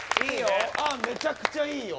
案めちゃくちゃいいよ。